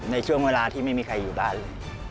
ในช่วงเวลาที่ไม่มีใครอยู่บ้านเลย